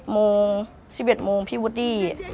โมง๑๑โมงพี่วูดดี้